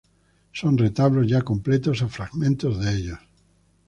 Son retablos ya completos o fragmentos de ellos.